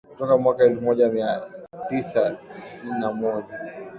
kutoka mwaka elfu moja mia tisa sitini na moja